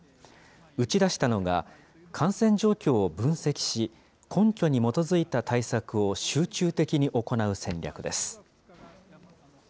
打ち出したのが、感染状況を分析し、根拠に基づいた対策を集中的に行う戦略です。